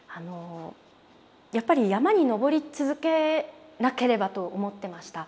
やっぱり山に登り続けなければと思ってました。